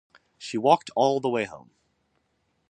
She walked all the way home.